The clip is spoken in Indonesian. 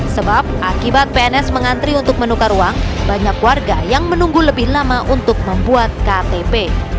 sebab akibat pns mengantri untuk menukar uang banyak warga yang menunggu lebih lama untuk membuat ktp